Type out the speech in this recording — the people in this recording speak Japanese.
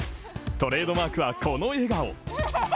トレードマークは、この笑顔。